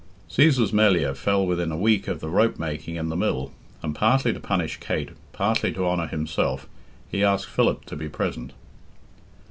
Cæsar's Melliah fell within a week of the rope making in the mill, and partly to punish Kate, partly to honour himself, he asked Philip to be present.